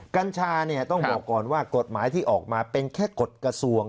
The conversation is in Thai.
กัญชาเนี่ยต้องบอกก่อนว่ากฎหมายที่ออกมาเป็นแค่กฎกระทรวง